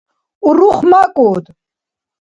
УрухмакӀуд.